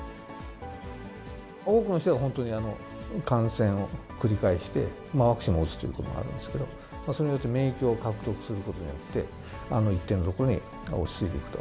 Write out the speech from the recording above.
多くの人が本当に感染を繰り返して、ワクチンを打つということもあるんですけど、それによって、免疫を獲得することによって、一定のところに落ち着いていくと。